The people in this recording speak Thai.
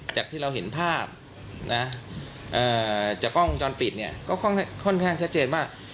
จากที่เราเห็นภาพจากกล้องจอดปิดก็ค่อนข้างชัดเจนว่า